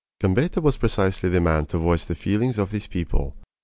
Gambetta was precisely the man to voice the feelings of these people.